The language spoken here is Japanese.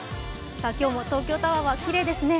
今日も東京タワーがきれいですね。